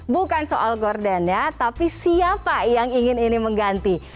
bukan soal gordennya tapi siapa yang ingin ini mengganti